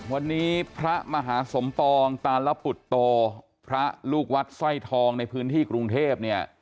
วันนี้พระมหาสมปองตาลปุตโตพระลูกวัดสร้อยทองในพื้นที่กรุงเทพเนี่ย